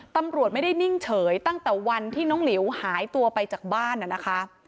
ตำรวจไม่ได้นิ่งเฉยตั้งแต่วันที่น้องหลิวหายตัวไปจากบ้านนะคะ